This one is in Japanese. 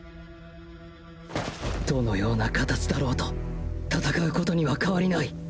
どのような形だろうと戦うことには変わりない。